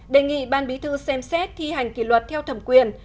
đề nghị ban bí thư xem xét thi hành kỷ luật theo thẩm quyền